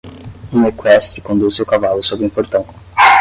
Um equestre conduz seu cavalo sobre um portão.